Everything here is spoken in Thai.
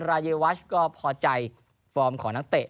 รายเยวัชก็พอใจฟอร์มของนักเตะ